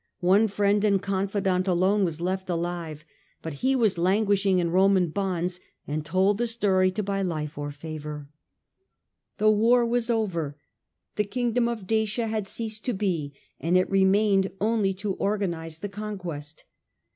One friend and confidant alone was left alive, but he was languishing in Roman bonds, and told the story to buy life or favour. The war was over; the kingdom of Dacia had ceased to be, and it remained only to organize the con quest.